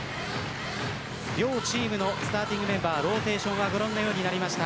両チームのスターティングメンバーローテーションはご覧のようになりました。